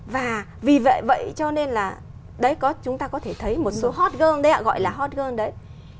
và vì vậy vậy cho nên là chúng ta có thể thấy một số hot girl gọi là hot girl đấy